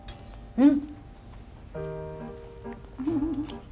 うん。